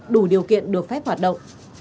đủ điều kiện được phép hoạt động